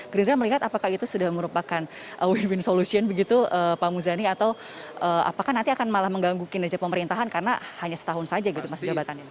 gerindra melihat apakah itu sudah merupakan win win solution begitu pak muzani atau apakah nanti akan malah mengganggu kinerja pemerintahan karena hanya setahun saja gitu masa jabatannya